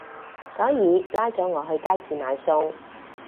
所以拉咗我去街市買餸